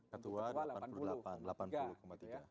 ketua delapan puluh delapan delapan puluh tiga